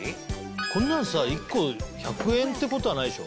こんなんさ１個１００円ってことはないでしょ？